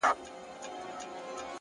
مثبت ذهن فرصتونه جذبوي!.